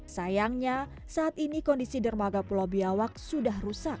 sayangnya saat ini kondisi dermaga pulau biawak sudah rusak